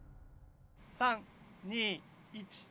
・３２１。